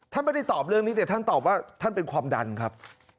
ท่านไม่ได้ตอบเรื่องนี้แต่ท่านตอบว่าท่านเป็นความดันครับ